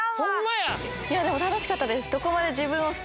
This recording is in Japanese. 楽しかったです